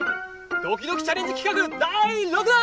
ドキドキチャレンジ企画第６弾！